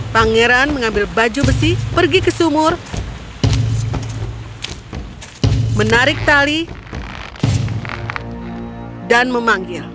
pangeran mengambil baju besi pergi ke sumur menarik tali dan memanggil